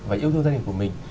và yêu thương gia đình của mình